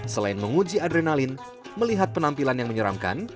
selain menguji adrenalin melihat penampilan yang menyeramkan